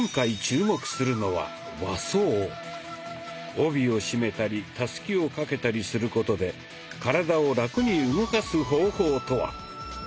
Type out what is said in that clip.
帯を締めたりたすきを掛けたりすることで体をラクに動かす方法とは！